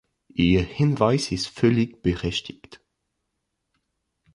Ihr Hinweis ist völlig berechtigt.